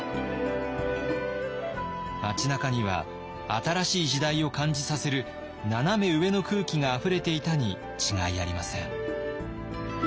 町なかには新しい時代を感じさせるナナメ上の空気があふれていたに違いありません。